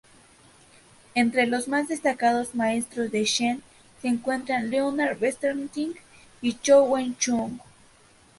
Entre los más destacados maestros de Sheng se encuentran Leonard Bernstein y Chou Wen-Chung.